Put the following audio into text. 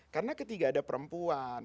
karena ketika ada perempuan